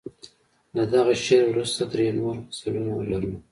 له دغه شعر وروسته درې نور غزلونه لرو.